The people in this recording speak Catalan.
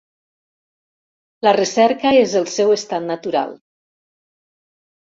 La recerca és el seu estat natural.